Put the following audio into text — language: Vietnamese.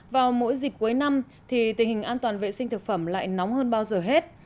vào mỗi dịp cuối năm thì tình hình an toàn vệ sinh thực phẩm lại nóng hơn bao giờ hết